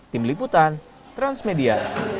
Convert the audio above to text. tim liputan transmedia